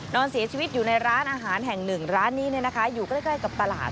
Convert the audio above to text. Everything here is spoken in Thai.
นอนเสียชีวิตอยู่ในร้านอาหารแห่งหนึ่งร้านนี้อยู่ใกล้กับตลาด